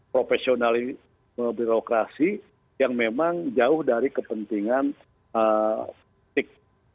profesional birokrasi yang memang jauh dari kepentingan politik